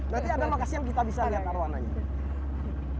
nanti ada makasih yang kita bisa lihat arwananya